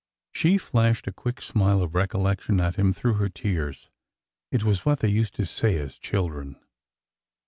'^ She flashed a quick smile of recollection at him through her tears. It was what they used to say as children.